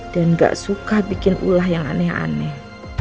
dan gak suka bikin ulah yang aneh aneh